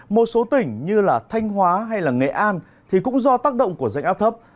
một số tỉnh như là thanh hóa hay là nghệ an thì cũng do tác động của danh áp thấp